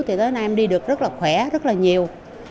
thì tới em đi được rất là khỏe rất là nhiều